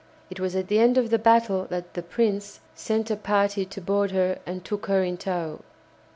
It was at the end of the battle that the "Prince" sent a party to board her and took her in tow.